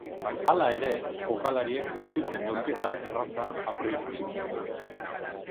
Hala ere, jokalariek ez dute neurketa erraza aurreikusten.